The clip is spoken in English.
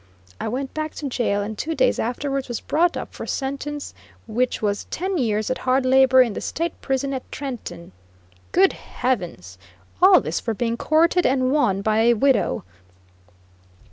I went back to jail and two days afterwards was brought up for sentence which was "ten years at hard labor in the State prison at Trenton." Good heavens! All this for being courted and won by a widow!